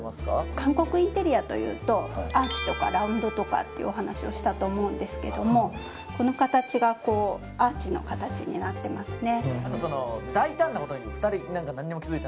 韓国インテリアというとアーチとかラウンドとかっていうお話をしたと思うんですけどもこの形がアーチの形になってますね。